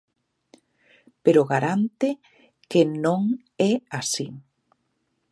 Pero garante que non é así.